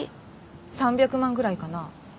３００万ぐらいかな。